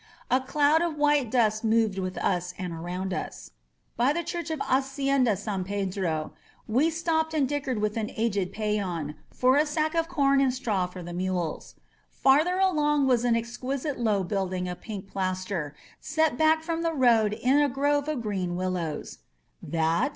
A cloud of white dust moved with us and around us. By the church of the Hacienda San Pedro we stopped and dickered with an aged peon for a sack of corn and straw for the mules. Farther along was an exquisite low building of pink plaster, set back from the road in a grove of green willows. "That?